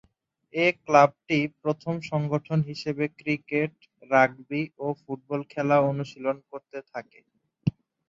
এ ক্লাবটি প্রথম সংগঠন হিসেবে ক্রিকেট, রাগবি ও ফুটবল খেলা অনুশীলন করতে থাকে।